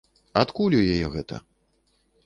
Адкуль у яе гэта?